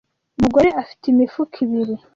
mugore afite imifuka ibiri.